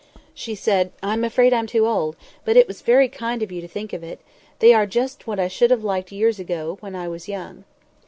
She said, "I'm afraid I'm too old; but it was very kind of you to think of it. They are just what I should have liked years ago—when I was young."